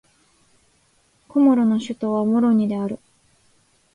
コモロの首都はモロニである